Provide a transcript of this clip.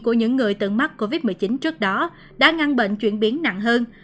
của những người từng mắc covid một mươi chín trước đó đã ngăn bệnh chuyển biến nặng hơn